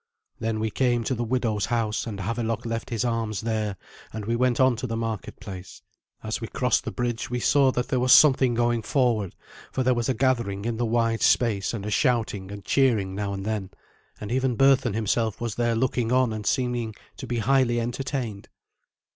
Then we came to the widow's house, and Havelok left his arms there, and we went on to the marketplace. As we crossed the bridge we saw that there was something going forward, for there was a gathering in the wide space, and a shouting and cheering now and then, and even Berthun himself was there looking on and seeming to be highly entertained.